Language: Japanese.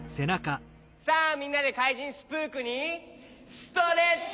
さあみんなでかいじんスプークにストレッチパワー！